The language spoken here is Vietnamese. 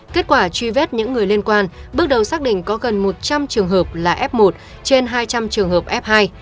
kết quả truy vết những người liên quan bước đầu xác định có gần một trăm linh trường hợp là f một trên hai trăm linh trường hợp f hai